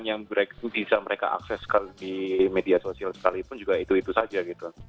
dan yang bisa mereka akses di media sosial sekalipun juga itu itu saja gitu